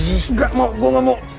enggak mau gue gak mau